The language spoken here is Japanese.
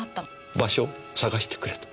場所を捜してくれと。